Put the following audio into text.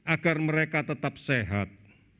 agar mereka tetap sehat